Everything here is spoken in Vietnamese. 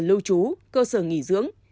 lưu trú cơ sở nghỉ dưỡng